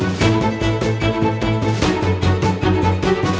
อยู่ให้มีไม่เหมือนชีวิต